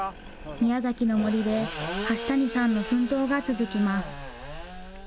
宮崎の森で、橋谷さんの奮闘が続きます。